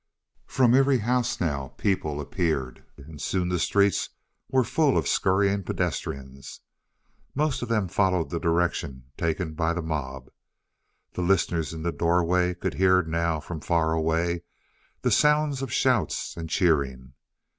From every house now people appeared, and soon the streets were full of scurrying pedestrians. Most of them followed the direction taken by the mob. The listeners in the doorway could hear now, from far away, the sound of shouts and cheering.